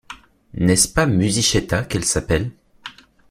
N’est-ce pas Musichetta qu’elle s’appelle?